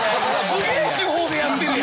すげえ手法でやってるやん。